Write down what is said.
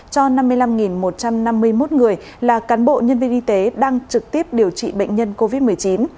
cho năm mươi năm một trăm năm mươi một người là cán bộ nhân viên y tế đang trực tiếp điều trị bệnh nhân covid một mươi chín